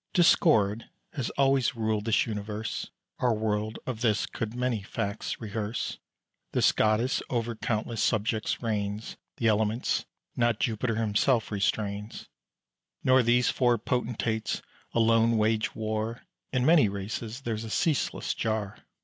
Discord has always ruled this universe; Our world of this could many facts rehearse. This goddess over countless subjects reigns; The elements not Jupiter himself restrains; Nor these four potentates alone wage war: In many races there's a ceaseless jar.